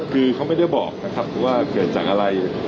คือเขาไม่ได้บอกนะครับว่าเกิดจากอะไร